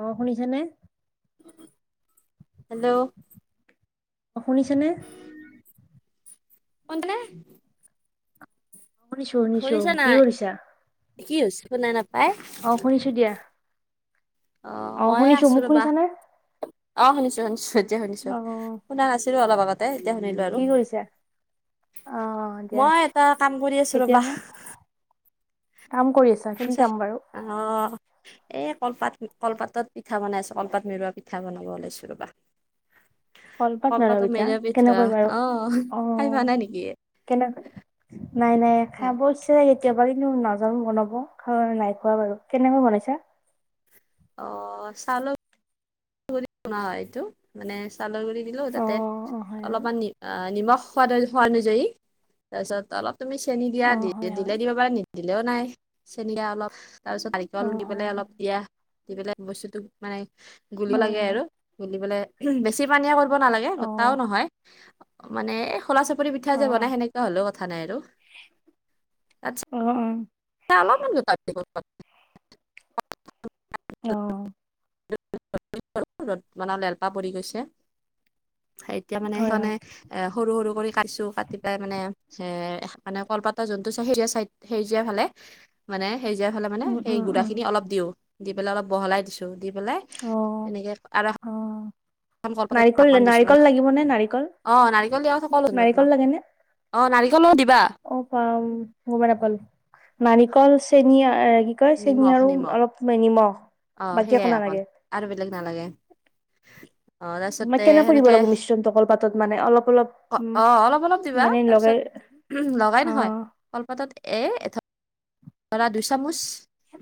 অ', শুনিছে নে? হেল্ল'! অ', শুনিছেনে? [inaudible] শুনিছোঁ শুনিছোঁ। শুনিছা কি নাই কৰিছা? কি হৈছে, শুনা নাপায়। অ শুনিছো দিয়া অ', মইয়ে শুনিছো আছোঁ মোক ৰ'বা। শুনিছানে অ', শুনিছোঁ শুনিছোঁ এতিয়া শুনিছোঁ। অ শুনা নাছিলো অলপ আগতে, এতিয়া শুনিলোঁ আৰু। কি কৰিছা অ দিয়া মই এটা কাম কৰি আছোঁ ৰ'বা। কেতিয়াবা কাম কৰিছা, কি শুনিছা কাম বাৰু? অ', এ, কলপাত কলপাতত পিঠা বনাই আছোঁ, কলপাত মেৰোৱা পিঠা বনাব ওলাইছোঁ ৰ'বা। কলপাত কলপাতত নলবিতা মেৰোৱা পিঠোৱা। কেনেকৈ অ', খাই পোৱা নাই নেকি? কেনেকা। নাই, নাই খাব ইচ্ছা কেতিয়া বা কিন্তু, নাজানো বনাব [unintelligible] নাই খোৱা বাৰু। কেনেকৈ বনাইছা? অ', চাল [unintelligible] এইটো। মানে চাউলৰ গুৰি দিলোঁ অ তাতে অ হয় হয় অলপমান নি, নিমখ সোঁৱাদ, সোঁৱাদ অনুযায়ী তাৰপিছত অলপ তুমি চেনি দিয়া, অ হয় হয় দিলে দিব পাৰা। নিদিলেও নাই। চেনি দিয়া অলপ। তাৰপিছত অ নাৰিকল দি হয় পেলাই হয় অলপ দিয়া, দি পেলাই বস্তুটো মানে গুলিব হয় লাগে হয় আৰু গুলি পেলাই, বেছি পানীয়া কৰিব নালাগে, অ গোটাও নহয়। মানে খোলা চাপৰি পিঠা অ অ যে বনাই সেনেকুৱা হ'লেও কথা নাই আৰু। তাত অ', অ'। [inaudible] অ'। [inaudible] এতিয়া মানে হয় [unintelligible] হয় এ, সৰু-সৰু কৰি কাটিছোঁ, কাটি পেলাই মানে এ, মানে কলপাতৰ যোনটো চাইড সেউজীয়া চাইড সেৰিজীয়া ফালে মানে সেউজীয়া ফালে মানে উম সেই উম উম গুড়াখিনি অলপ দিওঁ, দি পেলাই অলপ বহলাই দিছোঁ, দি পেলাই অ এনেকে আৰু অ [unintelligible] নাৰিকল ঢাকন দিছিলোঁ। নাৰিকল লাগিব নে নাৰিকল অ', নাৰিকল দিয়া [unintelligible] নাৰিকল লাগে নে অ', নাৰিকলো দিবা। অ', পাওঁ। গমেই নাপালো, নাৰিকল চেনি আ কয় চেনি নিমখ আৰু নিমখ অলপ নিমখ অ বাকী সেইয়াই একো অকল নালাগে। আৰু বেলেগ নালাগে। অ' মই তাৰপিছতে কেনেকৈ দিব সেনেকে লাগিব মিশ্ৰণটো কলপাতত মানে অলপ অলপ অ উম অ অলপ অলপ দিবা মানে তাৰপিছত লগাই উ লগাই অ নহয় কলপাতত এ এ ধৰা দুই চামুচ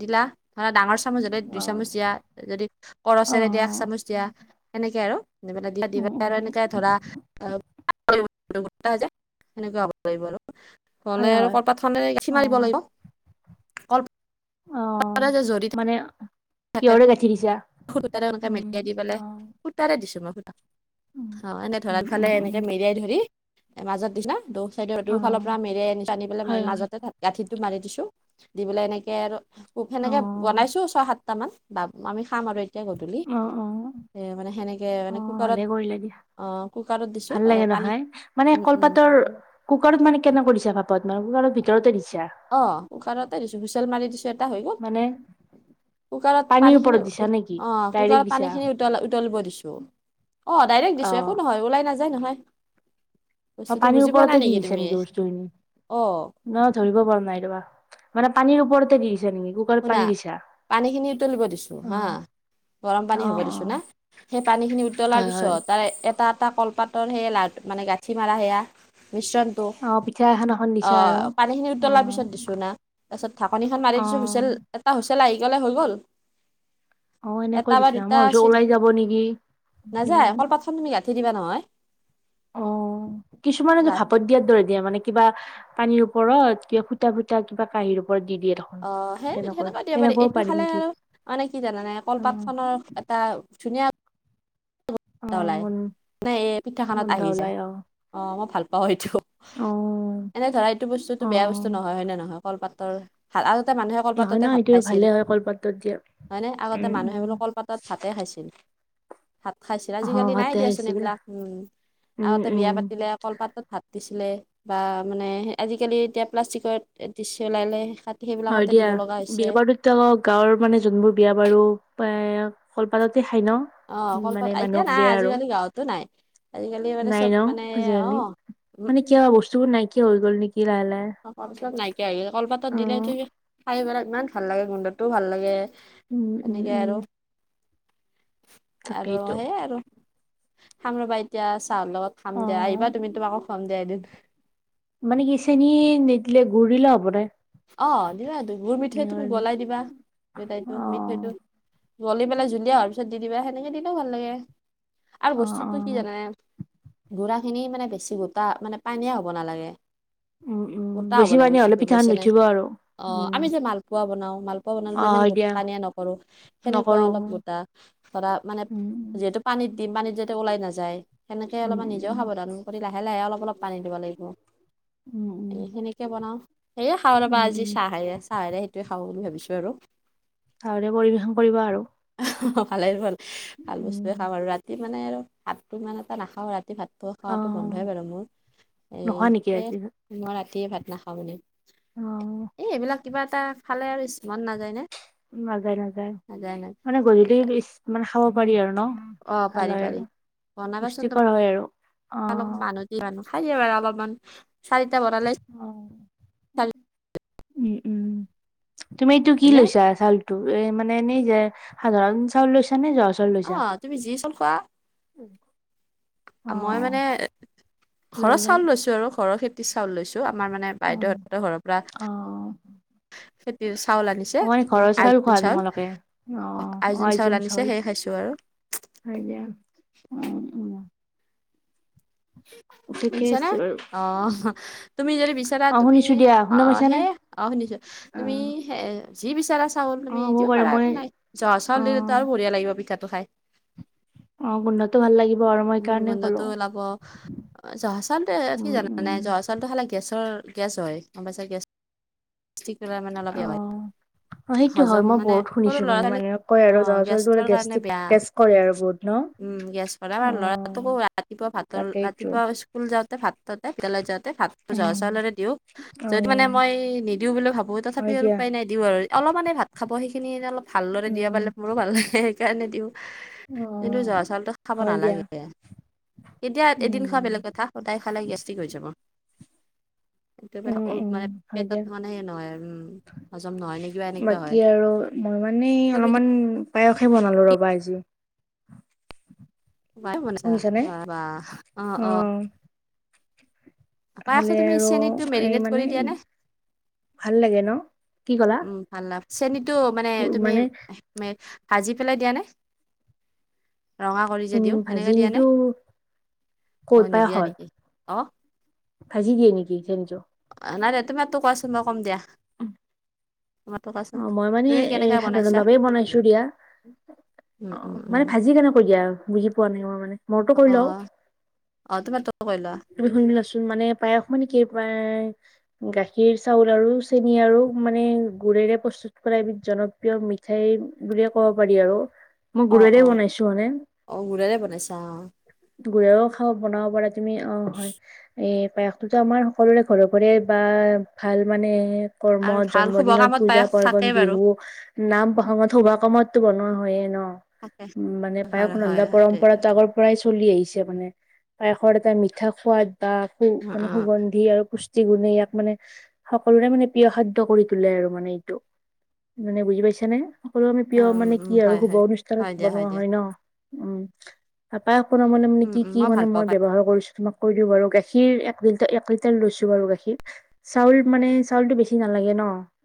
দিলা ধৰা ডাঙৰ চামুচ হ'লে দুই অ চামুচ দিয়া। যদি অ কৰচেৰে দিয়া এক চামুচ দিয়া। সনেকে আৰু দিবলে উম দিবা আৰু উম এনেকে ধৰা অ [unintelligible] সেনেকুৱা হব। হলে হয় আৰু হয় কলপাত খনে গাঠি অ মাৰিব লাগিব। অ', যে জৰি মানে কিহৰে গাঁঠি দিছা? সূতাতে এনেকে উম মেৰিয়াই দি পেলাই অ সূতাৰে দিছো মই সূতা। উম অ', এনে উম ধৰাল ফালে উম উম এনেকে মেৰিয়াই ধৰি মাজত দিনা [unintelligible] চাইদৰ অ দুইফালৰ পৰা মেৰিয়াই আনি পেলাই হয় হয় মাজতে গাঁঠিটো মাৰি দিছো, দি পেলাই এনেকে আৰু [unintelligible] অ সেনেকে বনাইছো ছয় সাতটামান বা আমি খাম আৰু এতিয়া গধূলি, অ অ এ মানে সেনেকে অ মানে ভালে কুকাৰত কৰিলা দিয়া অ', কুকাৰত দি ভাল লাগে নহয়, মানে কলপাতৰ কুকাৰত মানে কেনেকৈ দিছা ভাপত মানে কুকাৰৰ ভিতৰতে দিছা। অ', কুকাৰতে দিছো হুইচেল মাৰি দিছো তাৰ হৈ গ'ল, মানে কুকাৰৰ পানীৰ পানী খিনি ওপৰত দিছা নেকি অ', ডাইৰেক্ট কুকাৰত পানী দিছা খিনি উতল-উতলিব দিছো। অ', ডাইৰেক্ট অ দিছো একো নহয় ওলাই নাযায় নহয়। অ', বস্তুটো পানীৰ বুজি পোৱা ওপৰতে নাই দি দিছে তুমি নেকি বস্তুখিনি? অ' মই ধৰিব পৰা নাই ৰবা, মানে পানীৰ ওপৰতে দি দিছে নেকি? কুকাৰত শুনা পানী দিছা পানীখিনি উতলিব দিছোঁ অ হা গৰম অ অ পানী হ'ব দিছো না, সেই পানীখিনি উতলাৰ হয় হয় পিছত তাৰে এটা এটা কলপাতৰ সেয়া লাড মানে গাঁঠি মাৰা সেয়া মিশ্ৰণ অ পিঠা এখন এখন দিছা আৰু অ', পানী খিনি অ উতলাৰ পিছত দিছো না, তাৰপিছত ঢাকনিখন মাৰি অ দিছো হুইচেল এটা হুইচেল আহি গ'লে হৈ গ'ল। অ', এনেকৈ এটা বা দিছা মই দুটা ভাবছো চি ওলাই যাব নেকি নাযায় কলপাতখন তুমি গাঁঠি দিবা নহয়। অ', কিছুমানতো গা ভাপত [unintelligible] দৰে দিয়া মানে কিবা পানীৰ ওপৰত কিবা ফুটা ফুটা কিবা কাঁহীৰ ওপৰত দি দিয়ে দেখোন। অ', সেই তেনেকৈ সেনেকুৱা দিব পাৰি তেনেকুৱাও এইটো খালে নেকি আৰু মানে কি জানানে অ কলপাত খনৰ এটা ধুনীয়া ওলাই, গন নাই এই পিঠাখনত গোন্ধ আহি যায় ওলাই অ অ', মই ভাল পাওঁ এইটো। অ এনে ধৰা এইটো বস্তুটো অ বেয়া বস্তু নহয় হয় নে নহয় কলপাতৰ ভাল, আগতে মানুহে নহয় ন কলপাততে ভাত সেইটো খাইছিল। ভালে হয় কলপাতত দিয়া হয় নে, আগতে উম মানুহে উম বোলো কলপাততে ভাতে খাইছিল। ভাত খাইছিল অ আজিকালি নাই ভাতে দিয়া চোন আহিছিলে এইবলাক। উম, উম আগতে উম বিয়া পাতিলে কলপাতত ভাত দিছিলে বা মানে আজিকালি এতিয়া প্লাষ্টিকত দিচ ওলালে হয় সেইবিলাকতে দিব দিয়া, লগা হৈছে বিয়া বাৰুত গাঁৱৰ মানে যোনবোৰ বিয়া বাৰু কলপাততে খাই ন। অ', মানে কলপাত, এতিয়া মানুহক নাই দিয়ে আৰু আজিকালি গাঁৱতো নাই আজিকালি মানে নাই চব ন মানে আজিকালি অ'। উম, মানে কিবা বস্তুবোৰ নাইকিয়া হৈ গ'ল নেকি লাহে লাহে। অ', কলপাতত নাইকিয়া হৈ কলপাতত দিলে ত অ', খাই পেলাই ইমান ভাল লাগে গোন্ধটোও ভাল লাগে। উম, উম, তেনেকে উম, আৰু, আৰু তাকেইতো সেইয়াই আৰু। খাম ৰ'বা, এতিয়া চাহৰ লগত খাম দিয়া অ', আহিবা তুমি তোমাকো খোৱাম দিয়া এদিন। মানে কি চেনী নিদিলে গুৰ দিলে হ'ব নে? অ', দিবা গুৰ মিঠৈ তুমি গলাই দিবা [unintelligible] মিঠৈটো। অ', গলি পেলাই জুলিয়া হোৱাৰ পিছত দি দিবা সেনেকে দিলেও ভাল লাগে আৰু অ', বস্তুটো কি অ', জানানে গুড়াখিনি মানে বেছি গোটা মানে পানীয়া হ'ব নালাগে। উম, উম, গোটা হ'ব বেছি লাগে পানী হ'লে বস্তুতো পিঠাখন বুইছেনে? নুঠিব আৰু অ', উম, আমি যে মালপোৱা বনাওঁ মালপোৱা বনালেতো অ', ইমান হয় দিয়া পানীয়া নকৰো সেনেকুৱা নকৰো অলপ গোটা ধৰা মানে উম, যিহেতু পানীত দিম, পানীত যাতে ওলাই নাযায়। সেনেকে উম, উম, অলপমান নিজেওঁ সাৱধান কৰি লাহে লাহে অলপ অলপ পানী দিব লাগিব। উম, উম, উম, এ, উম, সেনেকে বনাওঁ, সেয়ে খাব নাপাওঁ, আজি উম চাহে, চাহেৰে সেইটোৱে খাওঁ বুলি ভাবিছো আৰু। চাহৰে, পৰিৱেশন কৰিব আৰু। অ, ভালেই হ'ল, ভাল উম, বস্তুৱয়ে খাম আৰু ৰাতি। মানে আৰু ভাতটো ইমান এটা নাখাওঁ, ৰাতি ভাতটো খোৱাতো বন্ধই অ', বাৰু মোৰ, এই নোখোৱা নেকি সেয় আজি মই ৰাতিয়ে ভাত নাখাওঁ মানে। অ, এই এইবিলাক কিবা এটা খালে আৰু ইচ, মান নাযায় নে? নাযায়, নাযায়, মানে গধূলি বিচ, মানে খাব পাৰি আৰু ন? অ ভাল পাৰি হয় পাৰি আৰু বনাবাচোন পুষ্টিকৰ হয় আৰু। অ, কি আৰু খাই ল'লো অলপমান, চাৰিটা বনালে অ, চাৰি উম, উম, তুমি এইটো কি হয়নে লৈছা, চাউল টো, এই মানে এই যে সাধাৰণ চাউল লৈছা নে, জহা চাউ অ, তুমি যি চাউল খোৱা। অ মই মানে ঘৰৰ ললো চাউল লৈছো আৰু, ঘৰৰ খে খেতি চাউল লৈছো। আমাৰ মানে অ বাইদেউহঁতৰ ঘৰৰ পৰা, খেতি চাউল আনি অ, মানে ঘৰৰ চাউল খোৱা তোমালোকে, অ, আইজোং আইজুং আনিছে চাউল। সেই খাইছো আৰু হয় দিয়া অ, উম ঠিকে শুনিছ নে, আছে বাৰু অ, তুমি যদি বিচাৰা অ তুমি শুনিছো দিয়া অ, শুনা পাইছানে? সেই অ, শুনিছো, অ তুমি যি বিচাৰা। চা চাউল অ তুমি হ'ব দিব বাৰু পাৰা মই একো নাই, জহা চাউল অ দিলেটো আৰু বঢ়িয় লাগিব পিঠাটো খাই। অ, গোন্ধটো ভাল লাগিব আৰু মই সেই কাৰণে ক'লো। অ, জহা চাউলটো কি উম জানা নাই, উম চাউল টো খালে গেছৰ গেছ হয় গ'ম পাইছ গে টি, অ [inaudible] হয়। অ সেইটো হয় হজম মই মানে বহুত শুনিছো সৰু মানে ল'ৰা-ছোৱালী মানুহে কয় আৰু অ, জহা চাউলটো গেছৰ কাৰণে গেষ্ট্ৰিক বেয়া। গেছ কৰে আৰু বহুত ন? উম, গেছ কৰে, অ ল'ৰাটোকো ৰাতিপুৱা ভাত তাকেইতো ৰাতিপুৱা স্কুল যাওঁতে ভাতটো, [inaudible] যাওঁতে ভাত জহা উম চাউলৰে দিওঁ। অ যদি মানে মই নিদিওঁ বুলি ভাবো, হয় তথাপিও আৰু দিয়া উপায় নাই দিওঁ আৰু। অলপ মানে ভাত খাব, সেইখিনি অলপ ভালদৰে দিয়া উম পালে মোৰো ভাল লাগে, সেইকাৰণে দিওঁ। অ কিন্তু জহা চাউলটো খাব হয় দিয়া নালাগে, এতিয়া উম এদিন খোৱা বেলেগ কথা। সদাই খালে, গেষ্টিক হৈ যাব। উম একেবাৰে উম মানে হয় দিয়া পেটত মানে, সে, নহয় উম, হজম নহয় নেকি। বাকী আৰু মই মানে তুমি কি অলপমান পায়সে, বনালো ৰবা আজি। পায়স বনাইছা, শুনিছানে বা, অ, অ, পায়াসটো হ'লে তুমি আৰু চেনীটো এই মেৰিনেট কৰি মানে দিয়া নে ভাল লাগে ন? কি ক'লা উম, ভাল লাভ, চেনীটো মানে তুমি, মানে ভাজি পেলাই দিয়া নে? ৰঙা কৰি যে উম দিওঁ, সেনেকে ভাজি দিয়া নে, নিদো ক'ত অ, নিদিয়া পায়সত নেকি? অ, ভাজি দিয়ে নেকি, চেনীটো? নাই দিয়া, তোমাৰতো কোৱাচোন, মই ক'ম দিয়া। তোমাৰতো কোৱাচোন অ, মই মানে তুমি এই কেনেকে সাধাৰণ বনাইছা ভাৱেই বনাইছো দিয়া। অ, উম উম উম মানে ভাজি কেনেকৈ দিয়া আৰু? বুজি পোৱা নাই মই মানে, মোৰটো কৈ অ লওঁ। অ তোমাৰতো কৈ লোৱা তুমি, শুনবিলাচোন মানে পায়স মানে, কি পায় গাখীৰ চাউল আৰু চেনি আৰু মানে গুৰেৰে প্ৰস্তুত কৰা এবিধ জনপ্ৰিয় মিঠাই বুলিয়ে ক'ব পাৰি আৰু। মই অ গুৰেৰে অ বনাইছো মানে। অ গুৰেৰে বনাইছা অ গুৰেও খাব বনাব পাৰা তুমি অ', হয়। এ পায়সটোত আমাৰ সকলোৰে ঘৰৰ পৰে বা ভাল মানে আৰু কৰ্মত ভাল শুভ জন্মদিনত কামত পায়স পূজাত থাকেই বাৰু নাম প্ৰসগত শুভ কামটো বনোৱা হয় য়ে ন। থাকে উ মানে পায়স হয় হয় ৰন্ধা সেইটোৱেটো পৰম্পৰাটো আগৰ পৰাই চলি আহিছে মানে পায়সত এটা মিঠা সোৱাদ বা সু উম মানে অ সুগন্ দি আৰু পুষ্টি গুণে ইয়াক মানে সকলোৰে মানে প্ৰিয় খাদ্য কৰি তোলে আৰু মানে এইটো। মানে বুজি পাইছা নে সকলো আমি প্ৰিয় উম মানে উম কি আৰু হয় শুভ হয় অনুষ্ঠানত হয় দিয়া বনোৱা দিয়া হয় ন। উম পায়সকণত মানে মই উম কি উম কি মানে ভাল মই পাওঁ পাই ব্যৱহাৰ কৰিছো তোমাক কৈ দিওঁ বাৰু গাখীৰ এক লিটাৰ এক লিটাৰ লৈছো বাৰু গাখীৰ। চাউল মানে চাউলটো বেছি নালাগে ন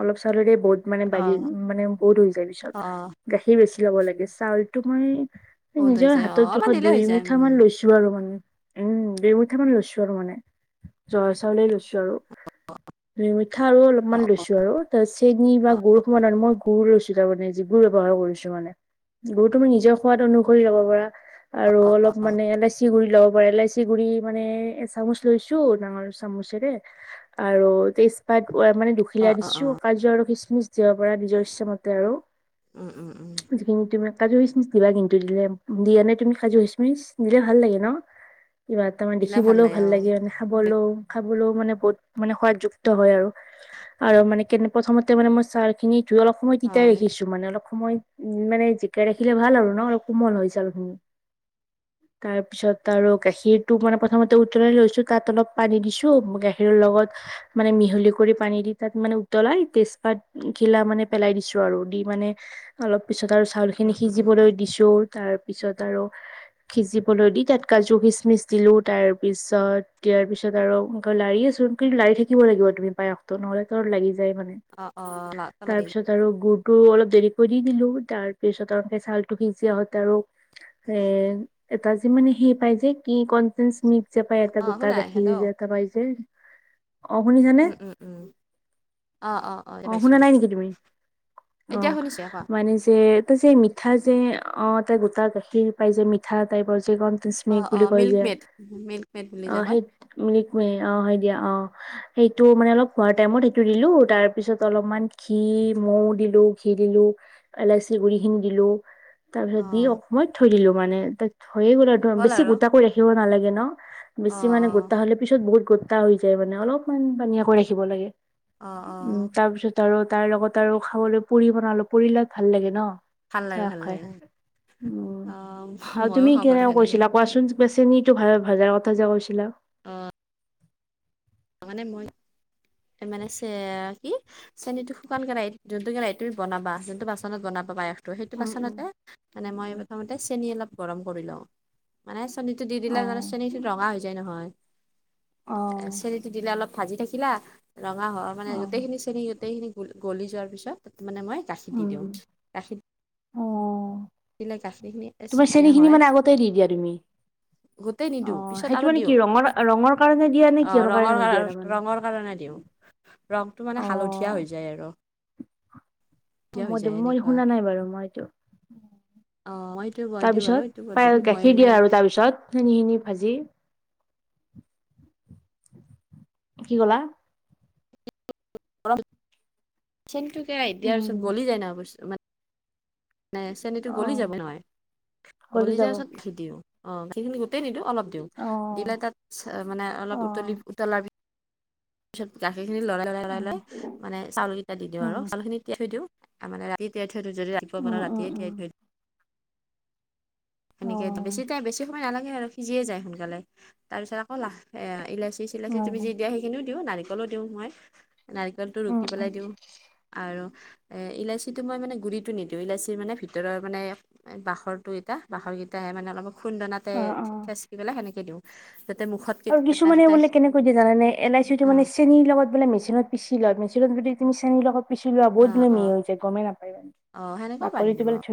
অলপ চাউলেৰে বহুত মানে অ বাৰি মানে বহুত হৈ যায় পিছত অ গাখীৰ বেছি লব লাগে চাউলটো মানে সোধ হৈ নিজৰ যায় অ হাতত অলপ জোখত দিলে দুই হৈ যায় মুঠা মান উম লৈছো। আৰু মানে উম ঢেৰমুঠা মান লৈছো আৰু মানে জহা চাউলে লৈছো আৰু। মিঠা আৰু অ অলপমান লৈছো আৰু তাৰছ চেনি বা অ গুৰ সমান মই গুৰ লৈছিলো তামানে যি গুৰ ব্যৱহাৰ কৰিছো মানে। গুৰ তুমি নিজৰ সোৱাদ অনুসৰি ল'ব পাৰা আৰু অ অ অলপ অ মানে এলাইচি গুৰি লব পাৰে ইলাইচি গুৰি মানে এ চামুচ লৈছো ডাঙৰ চামুচেৰে আৰু তেজপাত মানে দুখ অ', খিলা অ', দিছো অ', কাজু আৰু খিচমিচ দিব পাৰা নিজৰ ইচ্ছামতে আৰু। উম উম উম। যিখিনি তুমি কাজু খিচমিচ দিবা কিন্তু দিলে দিয়া নে তুমি কাজু খিচমিচ দিলে ভাল লাগে ন। কিবা তা মানে দেখিবলৈও ভাল লাগে মানে। খাবলৈও খাবলৈও মানে বহুত মানে সোৱাদযুক্ত হয় আৰু আৰু মানে কেনে প্ৰথমতে মানে মই চাউল খিনি ধুই অলপ সময় তিতাই হয়, ৰাখিছো। টো মানে অলপ সময় উম মানে জিকাই ৰাখিলে ভাল আৰু ন অলপ কোমল হয় চাউলখিনি। তাৰ পিছত আৰু গাখীৰটো মানে প্ৰথমতে উতলাই লৈছো তাত অলপ পানী দিছো গাখীৰৰ লগত। মানে মিহলি কৰি পানী দি তাত মানে উতলাই তেজপাত খিলা মানে পেলাই দিছো আৰু দি মানে অলপ পিছত আৰু চ চাউলখিনি উম, উম, উম, সিজিবলৈ উম, দিছোঁ তাৰপিছত আৰু সিজিবলৈ দি তাত কাজু খিচমিচ দিলো তাৰ পিছত দিয়াৰ পিছত আৰু এনকৈ লাৰি আছো। কিন্তু লাৰি থাকিব লাগিব তুমি পায়সটো নহলে তলত লাগি যায় মানে। অ', অ', তাৰ [unintelligible] পিছত আৰু গুৰতো অলপ দেৰিকৈ দি দিলো তাৰ পিছত আৰু কে ছালটো সিজাত আৰু এ এটা যে মানে সেই পাই যে কি কনফেঞ মি যে পাই এটা অ', গোটা শুনা গাখীৰ হেল্ল' যে এটা পাই যে অ', শুনিছানে? উম, উম, উম অ', অ', পাইছো শুনা দিয়া, নাই নিকি তুমি এতিয়া অ', শুনিছো কোৱা মানে যে এটো যে মিঠ মিঠা যে অ', ততে গোটা গাখীৰ পাই যে মিঠা টাইপৰ যে কণ অ', স্মিক বুলি অ', কৈ মিল্ক যে মেড, মিল্ক মেড বুলি যে অ', কয় সেই ম্লিকমি অ', হয় দিয়া অ', সেইটো মানে অলপ হোৱাৰ টাইমত সেইটো দিলো তাৰ পিছত অলপমান ঘি মৌ দিলো ঘি দিলো। এলাইচি গুৰি খিনি দিলো তাৰ পিছত দি অ', অকমান থৈ দিলো মানে ত থৈয়ে গল হ'ল বেছি আৰু গোটা কৰি ৰাখিব নালাগে ন। অ', বেছি মানে অ', গোটা হলে পিছত বহুত গোটা হৈ যায় মানে অলপমান পানিয়াকৈ ৰাখিব লাগে। অ', উম অ', তাৰ পিছত আৰু তাৰ লগত আৰু খাবলৈ পুৰি বনালো পুৰি লগত ভাল লাগে ন। ভাল লাগে, ভাল লাগে [unintelligible] উম অ', আৰু ময়ো তুমি খাওঁ বাৰু কেনে সেনেকে কৈছিলা কোৱা চোন। বা চেনীটো ভাল ভজাৰ কথা যে কৈছিলা। অ'। মানে মই মানে চে কি? চেনি টো শুকান কেৰাহীত, যোনটো কেৰাহীত তুমি বনাবা যোনটো বাচনত বনাবা [unintelligible] ত' সেইটো উম উম বাচনতে মানে উম মই উম প্ৰথমত তে চেনি অলপ গৰম কৰি লওঁ মানে চেনীটো দি দিলে মানে অ', চেনি ৰঙা হৈ যায় নহয় এ অ', চেনিটো দিলে অলপ ভাজি থাকিলা ৰঙা হয় মানে অ', গোটেইখিনি চেনি গোটেইখিনি গ গলি যোৱাৰ পিছত তাতে মানে মই গাখীৰ দি দিওঁ উম, গাখীৰ অ', দিলে গাখীৰখিনি তোমাৰ দিয়া চেনিখিনি হয় মানে আগতে দি দিয়া তুমি? গোটেই নিদিওঁ অ', পিছত সেইটো আৰু মানে কি দিওঁ ৰঙৰ ৰঙৰ কাৰণে দিয়া নে অহ কিহৰ ৰঙৰ কাৰণে দিয়া কাৰ তাৰমানে? ৰঙৰ কাৰণে দিওঁ ৰংটো মানে হালধীয়া অ', হৈ যায় আৰু। অ হালধীয়া হৈ মইতো যায় মই এনেকুৱা শুনা নাই বাৰু মই এইটো অ মই দিওঁ মই দিওঁ আৰু তাৰপিছত? এইটো পদ্ধতি মইয়ে মানে চেনি খিনি ভাজি, কি কলা? চেনিটো কেৰাহিত দিয়াৰ উম, পিছত গলি যায় ন বস্তু মান নে চেনীটো গলি অ', যাব নহয় গলি যোৱাৰ পিছত গাখীৰ দিওঁ গাখীৰখিনি গোটেই নিদিওঁ অলপ দিওঁ অ', দিলে তাত মানে অলপ উতলি অ', উতলাৰ পি পিছত গাখীৰখিনি লৰাই লৰাই উম, লৰাই মানে চাউলকেইটা দিওঁ উম, আৰু চাউলখিনি তিয়াই থৈ দিওঁ। তাৰ মানে ৰাতিয়েই তিয়াই থৈ দিও যদি ৰাতিপুৱা উম, বনাও উম, ৰাতিয়েই উম, তিয়াই থৈ দিওঁ অ', সেনেকে অ', বেছি টাইম বেছি সময় নালাগে আৰু সিজিয়ে যায় সোনকালে তাৰপিছত আকৌ লাহ এ ইলাচি চিলাচি তুমি যি উম, দিয়া সেইখিনিও দিওঁ নাৰিকলো দিওঁ মই নাৰিকলটো উম ৰুকি পেলাই দিওঁ আৰু ইলাচীটো মই মানে গুৰিটো নিদিওঁ, ইলাচীৰ মানে ভিতৰৰ মানে বাখৰটো এটা বাঁখৰকেইটাহে মানে অলপমান খুন্দনাতে অ', অ'। থেচকি পেলাই সেনেকে দিওঁ যাতে মুখত আৰু এটা কিছুমানে দুটাই বোলে কেনেকৈ দিয়ে জানোনে এলাইচিটো অ মানে চেনীৰ লগত বোলে মেচিনত পিচি লয় মেচিনত যদি তুমি চেনি লগত পিচি লোৱা অ বহুত ধুনীয়া অ মিহি হৈ যায় গমে নাপায় অ সেনেকুৱা পাৰি বাকলিটোলে দিব বোলো